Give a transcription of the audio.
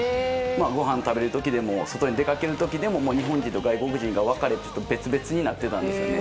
ごはん食べる時でも外に出かける時でも日本人と外国人が分かれて別々になっていたんですね。